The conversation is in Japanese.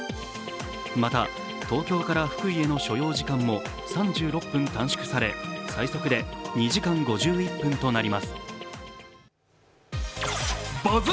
また、東京から福井への所要時間も３６分短縮され最速で２時間５１分となります。